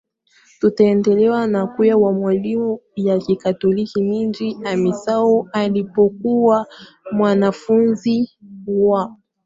tatu aliendelea na kuwa mwalimu kwenye seminari ya Kikatoliki mjini AmissaAlipokuwa mwanafunzi wa